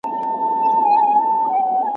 د مړونو تر مابین سلا هنر وي ,